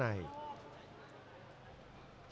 ฮีวอร์